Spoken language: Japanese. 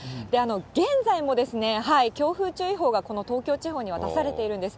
現在も強風注意報がこの東京地方には出されているんです。